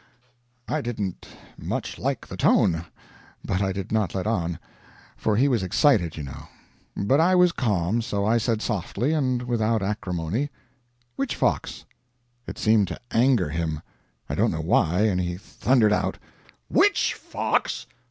"I didn't much like the tone, but I did not let on; for he was excited, you know. But I was calm; so I said softly, and without acrimony: "'Which fox?' "It seemed to anger him. I don't know why; and he thundered out: "'WHICH fox?